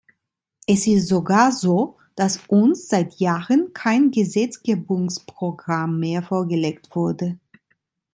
Es ist sogar so, dass uns seit Jahren kein Gesetzgebungsprogramm mehr vorgelegt wurde.